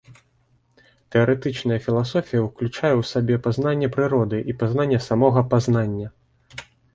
Тэарэтычная філасофія ўключае ў сябе пазнанне прыроды і пазнанне самога пазнання.